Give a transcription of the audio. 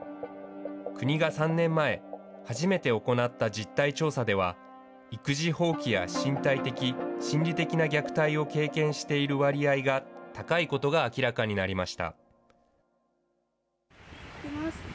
国が３年前、初めて行った実態調査では、育児放棄や身体的、心理的な虐待を経験している割合が高いことが明らかになりました。